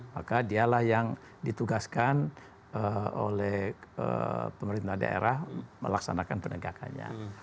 maka dialah yang ditugaskan oleh pemerintah daerah melaksanakan penegakannya